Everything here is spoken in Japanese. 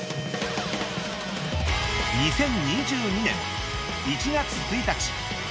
２０２２年１月１日。